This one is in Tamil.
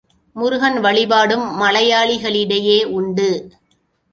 முருகன் வழிபாடும் மலையாளிகளிடையே உண்டு.